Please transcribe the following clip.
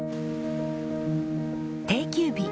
定休日。